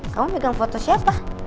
kamu pegang foto siapa